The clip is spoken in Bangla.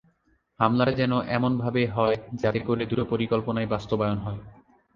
হামলাটা যেন এমনভাবে হয় যাতে করে দুটো পরিকল্পনাই বাস্তবায়ন হয়।